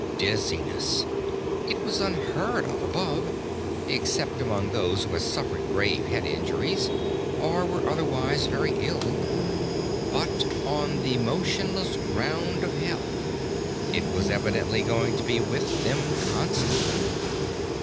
Dizziness. It was unheard of up above, except among those who had suffered grave head injuries or were otherwise very ill. But on the motionless ground of Hell, it was evidently going to be with them constantly.